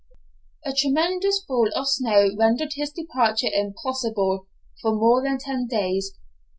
A tremendous fall of snow rendered his departure impossible for more than ten days.